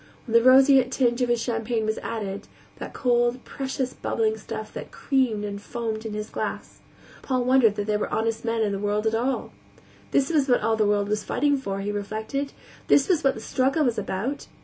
When the roseate tinge of his champagne was added that cold, precious, bubbling stuff that creamed and foamed in his glass Paul wondered that there were honest men in the world at all. This was what all the world was fighting for, he reflected; this was what all the struggle was about.